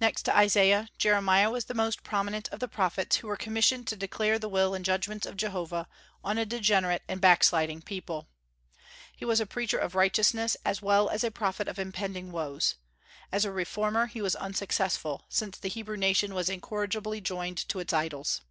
Next to Isaiah, Jeremiah was the most prominent of the prophets who were commissioned to declare the will and judgments of Jehovah on a degenerate and backsliding people. He was a preacher of righteousness, as well as a prophet of impending woes. As a reformer he was unsuccessful, since the Hebrew nation was incorrigibly joined to its idols.